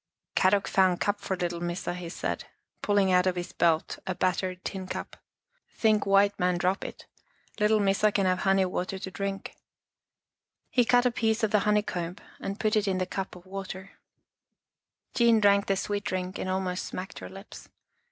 Kadok found cup for little Missa," he said, pulling from his belt a battered tin cup. " Think white man drop it, little Missa can have honey water to drink." He cut a piece of the honey comb and put it in the cup of water. Jean lo6 Our Little Australian Cousin drank the sweet drink and almost smacked her lips.